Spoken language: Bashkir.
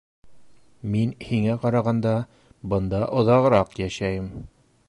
Мин һиңә ҡарағанда бында оҙағыраҡ йәшәйем.